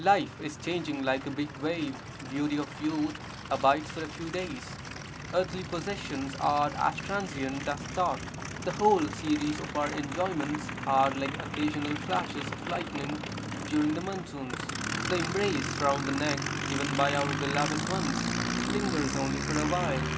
Life is changing like a big wave, beauty of youth abides for a few days; earthly possessions are as transient as thought; the whole series of our enjoyments are like (occasional) flashes of lightning during the monsoons; the embrace round the neck given by our beloved ones lingers only for a while.